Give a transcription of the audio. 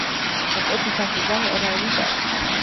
კვეთს ამსტერდამ-რაინის არხს.